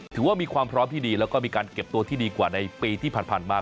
ถือว่ามีความพร้อมที่ดีแล้วก็มีการเก็บตัวที่ดีกว่าในปีที่ผ่านมา